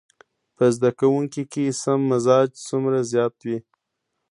په زده کوونکي کې سم مزاج څومره زيات وي.